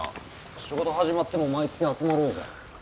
仕事始まっても毎月集まろうぜ。